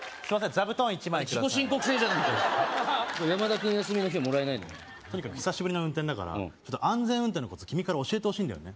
座布団１枚ください自己申告制じゃないから山田君休みの日はもらえないのよとにかく久しぶりの運転だから安全運転のこと君から教えてほしいんだよね